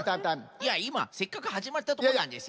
いやいませっかくはじまったとこなんですよ。